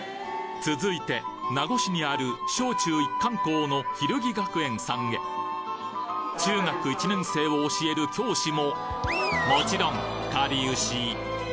続いて名護市にある小中一貫校のひるぎ学園さんへ中学１年生を教える教師ももちろんかりゆし